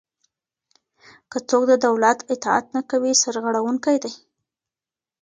که څوک د دولت اطاعت نه کوي سرغړونکی دی.